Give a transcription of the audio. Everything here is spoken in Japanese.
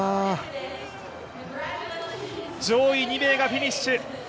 上位２名がフィニッシュ。